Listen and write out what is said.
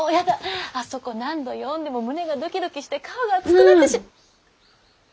あそこ何度読んでも胸がドキドキして顔が熱くなって。